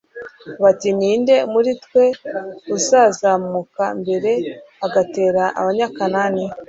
bati ni nde muri twe uzazamuka mbere agatera abanyakanani